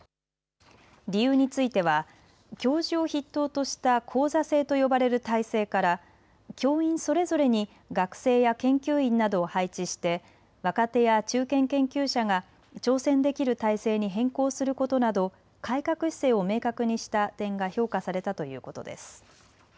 理由については教授を筆頭とした講座制と呼ばれる体制から教員それぞれに学生や研究員などを配置して若手や中堅研究者が挑戦できる体制に変更することなど改革姿勢を明確にした点が評価されたということです。